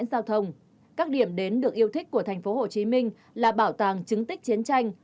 giao thông các điểm đến được yêu thích của tp hcm là bảo tàng chứng tích chiến tranh